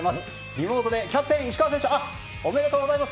リモートでキャプテン石川祐希選手おめでとうございます。